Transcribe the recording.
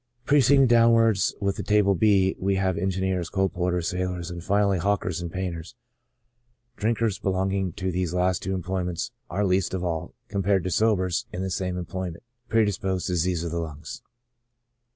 Proceeding downwards with the Table B, we have engineers, coal porters, sailors, and finally hawkers and painters ; drinkers belonging to these last two employments are least of all, compared to sobers in the same employment, predisposed to diseases of the lungs.